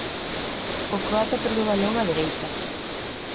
O croata perde o balón á dereita.